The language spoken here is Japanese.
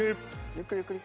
ゆっくりゆっくり。